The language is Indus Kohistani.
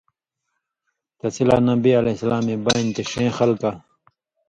تسی لا نبی علیہ السلامے بانیۡ چے ݜېں خلکہ